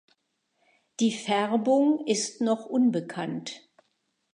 Die Färbung ist noch unbekannt.